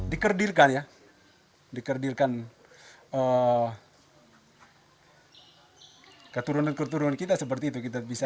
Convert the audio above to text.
dikerdirkan ya dikerdirkan keturunan keturunan kita seperti itu